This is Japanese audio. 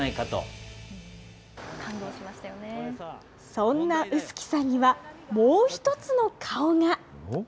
そんな臼杵さんには、もう一つの顔が。